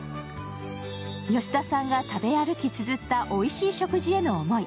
吉田さんが食べ歩きつづったおいしい食事への思い。